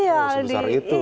oh sebesar itu